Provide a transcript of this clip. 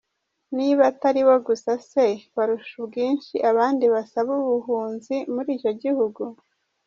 Niba atari bo gusa se, barusha ubwinshi abandi basaba ubuhunzi muri icyo gihugu ?